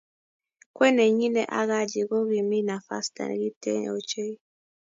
Kwen ne nyine ak Haji ko kimii nafasta kintee ochei.